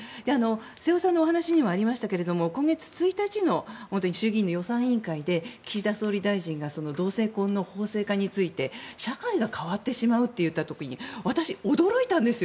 瀬尾さんのお話にもありましたが今月１日の衆議院の予算委員会で岸田総理大臣が同性婚の法制化について社会が変わってしまうと言った時に私、驚いたんですよ。